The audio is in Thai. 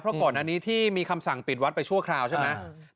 เพราะก่อนอันนี้ที่มีคำสั่งปิดวัดไปชั่วคราวใช่ไหม